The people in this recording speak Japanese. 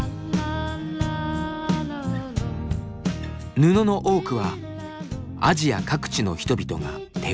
布の多くはアジア各地の人々が手織りしたもの。